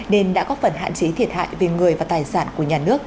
nên đã góp phần hạn chế thiệt hại về người và tài sản của nhà nước